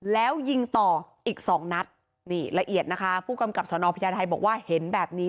แล้วยิงต่ออีกสองนัดนี่ละเอียดนะคะผู้กำกับสนพญาไทยบอกว่าเห็นแบบนี้